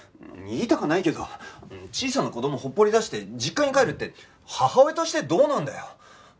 言いたかないけど小さな子供ほっぽり出して実家に帰るって母親としてどうなんだよ。